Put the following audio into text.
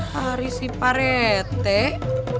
hari sipar ya teh